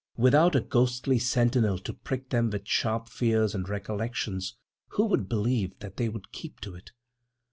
Without a ghostly sentinel to prick them with sharp fears and recollections, who could believe that they would keep to it?